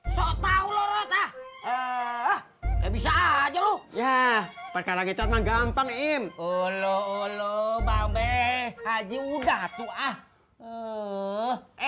so tau loh rota eh bisa aja ya perkaranya catna gampang im olo olo mbak be haji udah tuh ah eh